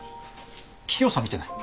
桔梗さん見てない？